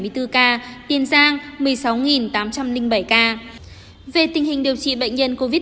về tình hình điều trị bệnh nhân covid một mươi chín